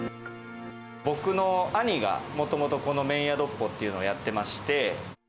僕の兄が、もともとこの麺や独歩というのをやってまして。